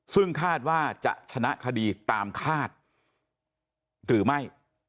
ซึ่งคาดว่าจะชนะคดีตามคาดหรือไม่